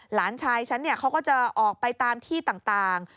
หลานชายฉันเขาก็จะออกไปตามที่ต่าง